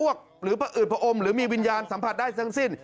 มีอาการจะอ้วกหรือประอุดพระอมหรือมีวิญญาณสัมผัสได้ทั้งสิ้น